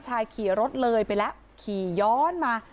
ชายขี่รถเลยไปแล้วล่ะขี่ย้อนมา